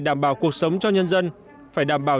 đảm bảo cuộc sống cho nhân dân phải đảm bảo